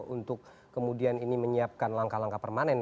untuk kemudian ini menyiapkan langkah langkah permanen